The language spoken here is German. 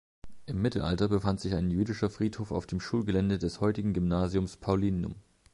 Im Mittelalter befand sich ein jüdischer Friedhof auf dem Schulgelände des heutigen Gymnasiums Paulinum.